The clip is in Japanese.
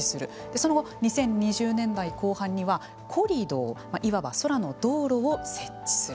その後、２０２０年代後半にはコリドーいわば空の道路を設置する。